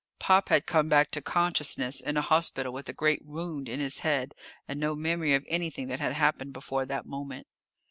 Pop had come back to consciousness in a hospital with a great wound in his head and no memory of anything that had happened before that moment.